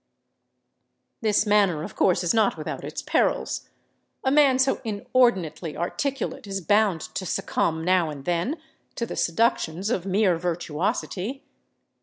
This manner, of course, is not without its perils. A man so inordinately articulate is bound to succumb, now and then, to the seductions of mere virtuosity.